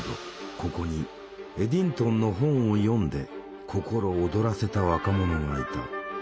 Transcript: ここにエディントンの本を読んで心躍らせた若者がいた。